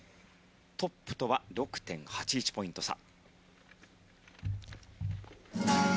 トップとは６．８１ポイント差。